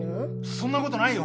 そんなことないよ。